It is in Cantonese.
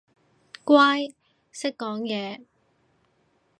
乖，識講嘢